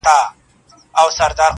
چي ودڅنګ تې مقبره جوړه د سپي ده,